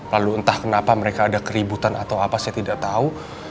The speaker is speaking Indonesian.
lalu entah kenapa mereka ada keributan atau apa saya tidak tahu